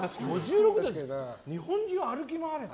日本中を歩き回るって。